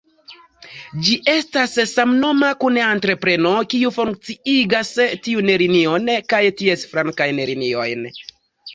Ĝi estas samnoma kun entrepreno, kiu funkciigas tiun linion kaj ties flankajn liniojn.